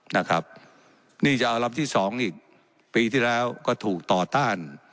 นะครับนี่จะเอาลำที่สองอีกปีที่แล้วก็ถูกต่อต้าน